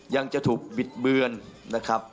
ยังจะถูกบิดเบือน